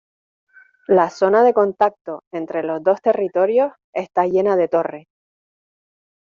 La zona de contacto entre los dos territorios está llena de torres.